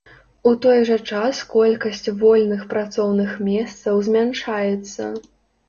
У той жа час колькасць вольных працоўных месцаў змяншаецца.